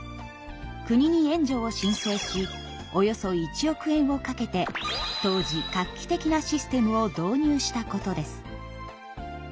国に援助を申請しおよそ１億円をかけて当時画期的なシステムを導入したことです。